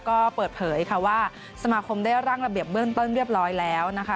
ก็เปิดเผยค่ะว่าสมาคมได้ร่างระเบียบเบื้องต้นเรียบร้อยแล้วนะคะ